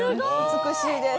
美しいです